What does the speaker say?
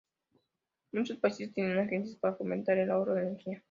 Muchos países tienen agencias para fomentar el ahorro de energía.